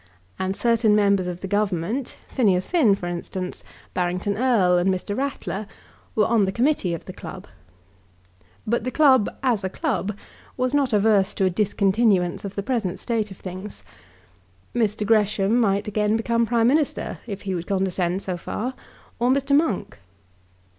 And certain members of the Government, Phineas Finn, for instance, Barrington Erle, and Mr. Rattler were on the committee of the club. But the club, as a club, was not averse to a discontinuance of the present state of things. Mr. Gresham might again become Prime Minister, if he would condescend so far, or Mr. Monk.